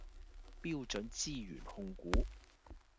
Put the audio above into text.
標準資源控股